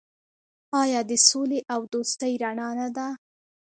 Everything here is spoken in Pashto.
آیا د سولې او دوستۍ رڼا نه ده؟